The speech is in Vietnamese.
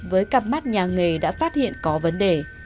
với cặp mắt nhà nghề đã phát hiện có vấn đề